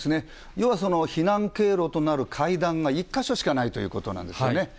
要は避難経路となる階段が１か所しかないということなんですね。